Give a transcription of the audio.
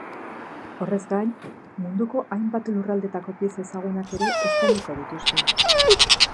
Horrez gain, munduko hainbat lurraldeetako pieza ezagunak ere eskainiko dituzte.